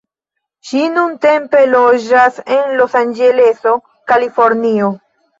Ŝi nuntempe loĝas en Los-Anĝeleso, Kalifornio.